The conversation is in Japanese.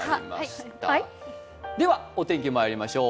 お天気にまいりましょう。